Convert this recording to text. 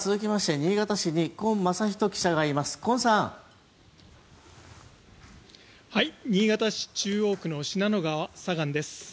新潟市中央区の信濃川左岸です。